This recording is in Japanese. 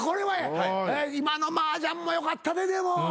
今のマージャンも良かったででも。